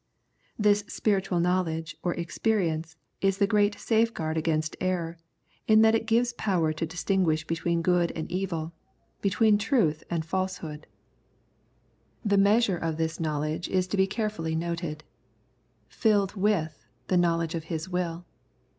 This spiritual knowledge or experience is the great safeguard against error, in that it gives power to distinguish between good and evil, between truth and falsehood. 60 Knowledge and Obedience The measure of this knowledge is to be carefully noted —" filled with the knowledge of His will."